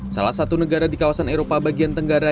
salah satu negara di kawasan eropa bagian tenggara